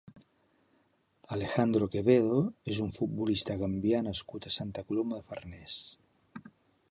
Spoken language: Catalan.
Alejandro QUEVEDO és un futbolista gambià nascut a Santa Coloma de Farners.